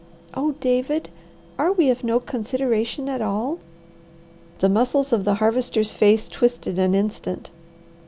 Oh David, are we of no consideration at all?" The muscles of the Harvester's face twisted an instant.